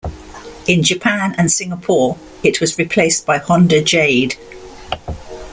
In Japan and Singapore, it was replaced by Honda Jade.